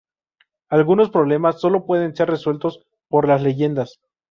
Algunos problemas solo pueden ser resueltos por las Leyendas.